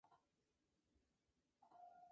La profecía se está haciendo realidad.